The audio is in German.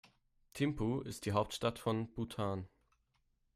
Thimphu ist die Hauptstadt von Bhutan.